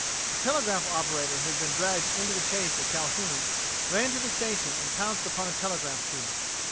The telegraph operator who had been dragged into the chase at Calhoun ran to the station and pounced upon a telegraph key.